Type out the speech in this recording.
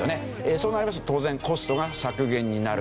そうなりますと当然コストが削減になる。